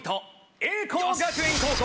栄光学園高校。